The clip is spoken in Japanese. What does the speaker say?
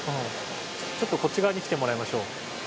ちょっとこっち側に来てもらいましょう。